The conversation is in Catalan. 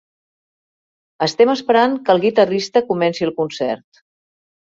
Estem esperant que el guitarrista comenci el concert.